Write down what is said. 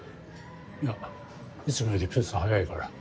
いやいつもよりペース早いから。